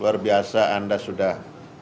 luar biasa anda sudah